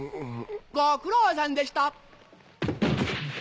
ご苦労さんでした！